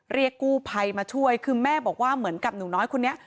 เรียกกู้ภัยมาช่วยคือแม่บอกว่าเหมือนกับหนูน้อยคนนี้